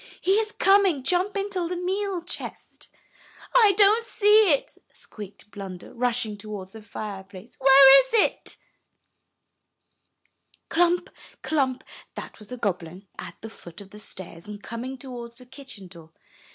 "He is coming. Jump into the meal chest." "I don't see it," squeaked Blunder, rushing towards the fireplace. "Where is it?" 319 M Y BOOK HOUSE Clump! clump! That was the goblin at the foot of the stairs, and coming towards the kitchen door.